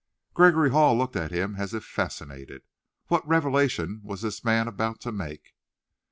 Gregory Hall looked at him as if fascinated. What revelation was this man about to make?